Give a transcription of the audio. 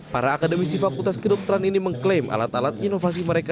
para akademisi fakultas kedokteran ini mengklaim alat alat inovasi mereka